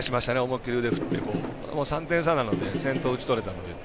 思い切り腕振って３点差なので先頭を打ち取れたので。